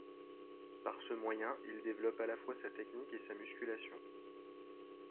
Par ce moyen, il développe à la fois sa technique et sa musculation.